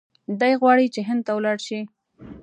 دی غواړي چې هند ته ولاړ شي.